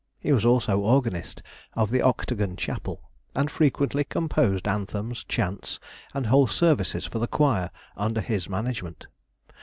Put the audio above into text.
He was also organist of the Octagon Chapel, and frequently composed anthems, chants, and whole services for the choir under his management.